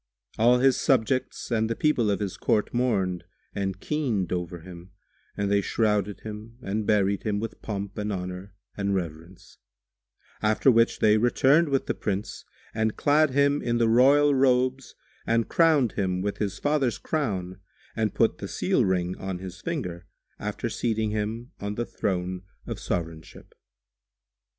All his subjects and the people of his court mourned and keened over him and they shrouded him and buried him with pomp and honour and reverence; after which they returned with the Prince and clad him in the royal robes and crowned him with his father's crown and put the seal ring on his finger, after seating him on the Throne of Sovranship.